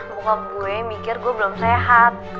bokap gue mikir gue belum sehat